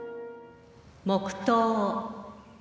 黙とう。